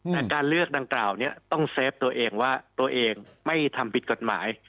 แต่การเลือกดังกล่าวนี้ต้องเซฟตัวเองว่าตัวเองไม่ทำผิดกฎหมาย